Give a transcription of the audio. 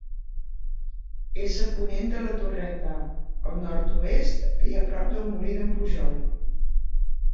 És a ponent de la Torreta, al nord-oest i a prop del Molí d'en Pujol.